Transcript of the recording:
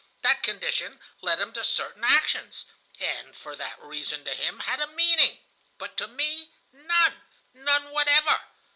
That condition led him to certain actions, and for that reason to him had a meaning, but to me none, none whatever.